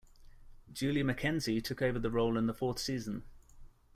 Julia McKenzie took over the role in the fourth season.